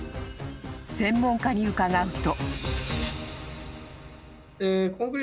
［専門家に伺うと］